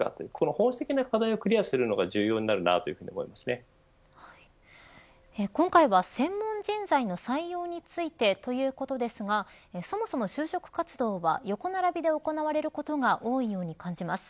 本質的な課題をクリアするのが今回は専門人材の採用についてということですがそもそも就職活動は横並びで行われることが多いように感じます。